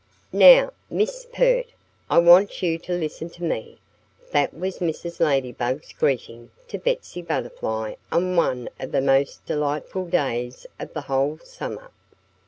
"Now, Miss Pert, I want you to listen to me!" That was Mrs. Ladybug's greeting to Betsy Butterfly on one of the most delightful days of the whole summer.